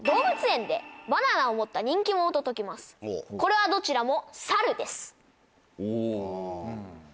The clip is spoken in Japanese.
これはどちらも。